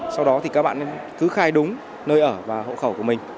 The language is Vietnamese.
sau đó thì các bạn cứ khai đúng nơi ở và hộ khẩu của mình